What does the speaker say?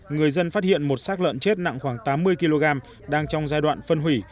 người dân phát hiện một sát lợn chết nặng khoảng tám mươi kg đang trong giai đoạn phân hủy